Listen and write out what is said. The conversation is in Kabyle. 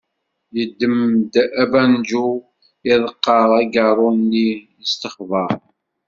Yedem-d abanju, iḍeqqer agaṛṛu-nni, yestexber.